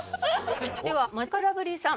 ではマヂカルラブリーさん。